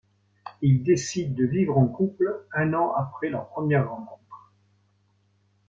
Ils décident de vivre en couple un an après leur première rencontre.